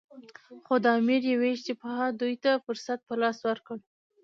خو د امیر یوې اشتباه دوی ته فرصت په لاس ورکړ.